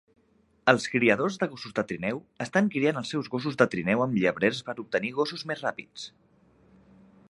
Els criadors de gossos de trineu estan criant els seus gossos de trineu amb llebrers per obtenir gossos més ràpids.